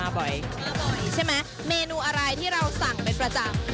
บ่อยอร่อยใช่ไหมเมนูอะไรที่เราสั่งเป็นประจำ